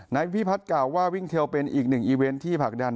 นายพิพัฒน์กล่าวว่าวิ่งเทลเป็นอีกหนึ่งอีเวนต์ที่ผลักดัน